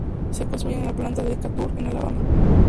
Se construye en la planta de Decatur, en Alabama.